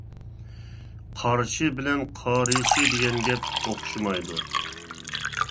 قارشى بىلەن قارىشى دېگەن گەپ ئوخشىمايدۇ.